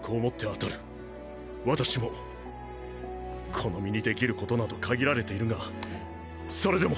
この身に出来る事など限られているがそれでも。